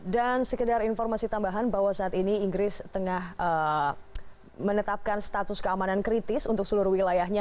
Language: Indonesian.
dan sekedar informasi tambahan bahwa saat ini inggris tengah menetapkan status keamanan kritis untuk seluruh wilayahnya